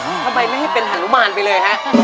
ทำไมไม่ให้เป็นฮานุมานไปเลยฮะ